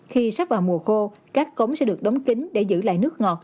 khi sắp vào mùa khô các cống sẽ được đống kính để giữ lại nước ngọt